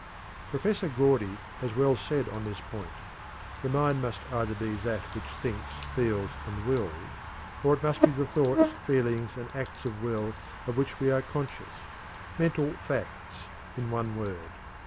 Professor Gordy has well said on this point: "The mind must either be that which thinks, feels, and wills, or it must be the thoughts, feelings, and acts of will of which we are conscious mental facts, in one word.